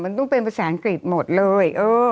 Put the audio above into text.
มันต้องเป็นภาษาอังกฤษหมดเลย